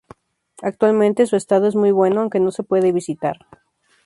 Actualmente su estado es muy bueno aunque no se puede visitar.